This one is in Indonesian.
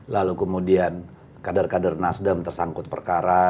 lalu kemudian kader kader nasdem tersangkut perkara